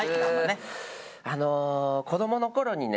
あの子どもの頃にね